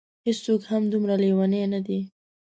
هېڅوک هم دومره لېوني نه دي.